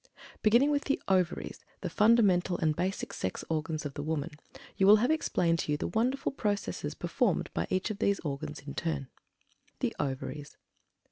Beginning with the Ovaries, the fundamental and basic sex organs of the woman, you will have explained to you the wonderful processes performed by each of these organs in turn. THE OVARIES.